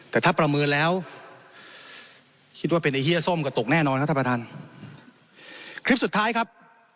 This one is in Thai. แต่ถ้าประเมินแล้วคิดว่าเป็นไอ้เหี้ยส้มก็ตกแน่นอนครับท่านพระท่าน